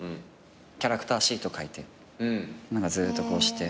キャラクターシート書いてずっとこうして。